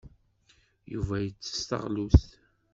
Yuba yettess taɣlust.